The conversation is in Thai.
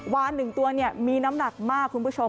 วาน๑ตัวมีน้ำหนักมากคุณผู้ชม